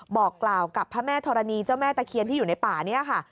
บอกกล่าวกับพระแม่ธรณีเจ้าแม่ตะเคียนที่อยู่ในป่านี้ค่ะ